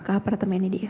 ke apartemen ini dia